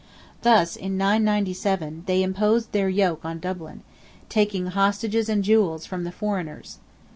Thus, in 997, they imposed their yoke on Dublin, taking "hostages and jewels" from the foreigners.